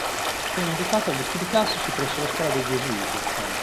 Viene educato agli studi classici presso la scuola dei Gesuiti a Como.